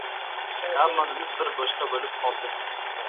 Tarlonimiz bir boshqa bo‘lib qoldi!